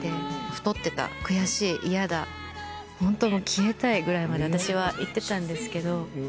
太ってた悔しい嫌だホントもう消えたいぐらいまで私はいってたんですけど。